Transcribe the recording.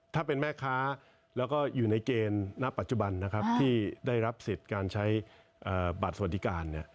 ถ้าเป็นแม่ค้าแล้วก็อยู่ในเกณฑ์ณปัจจุบันนะครับที่ได้รับสิทธิ์การใช้บัตรสวัสดิการ